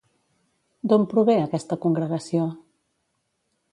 D'on prové aquesta congregació?